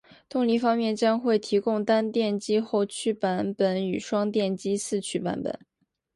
动力方面，将会提供单电机后驱版本与双电机四驱版本